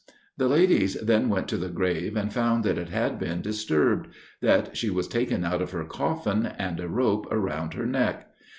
The ladies then went to the grave, and found that it had been disturbed that she was taken out of her coffin, and a rope around her neck.